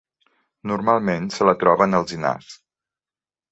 Normalment se la troba en alzinars.